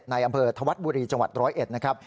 ในอำเภอธวัดบุรีจังหวัด๑๐๑นะครับ